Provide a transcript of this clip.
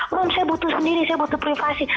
uang saya butuh sendiri saya butuh privasi